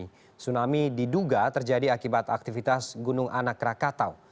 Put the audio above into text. tsunami diduga terjadi akibat aktivitas gunung anak rakatau